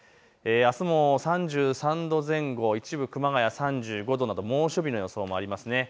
あすも３３度前後、一部、熊谷３５度など猛暑日の予想もありますね。